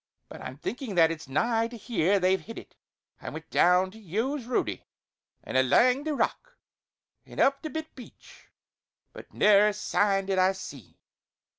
But I'm thinkin' that it's nigh to here they've hid it; I went down the yowes' roadie, an' alang the rock, an' up the bit beach; but never a sign did I see.